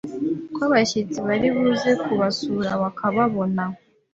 uko abashyitsi bari buze kubasura bakababona,